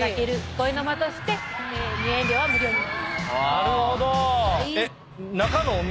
なるほど。